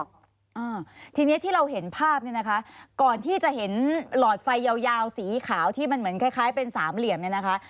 อ่าทีเนี้ยที่เราเห็นภาพเนี่ยนะคะก่อนที่จะเห็นหลอดไฟยาวยาวสีขาวที่มันเหมือนคล้ายคล้ายเป็นสามเหลี่ยมเนี่ยนะคะ